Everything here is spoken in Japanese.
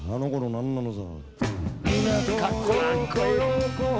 「何なのさ！」